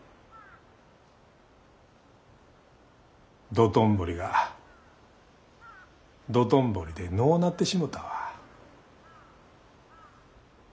道頓堀が道頓堀でのうなってしもたわ。